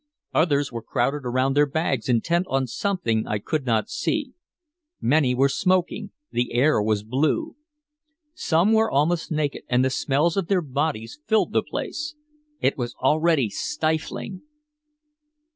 Others were crowded around their bags intent on something I could not see. Many were smoking, the air was blue. Some were almost naked, and the smells of their bodies filled the place. It was already stifling.